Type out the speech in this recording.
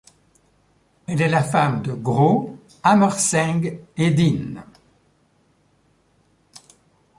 Elle est la femme de Gro Hammerseng-Edin.